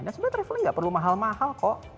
dan sebenarnya traveling nggak perlu mahal mahal kok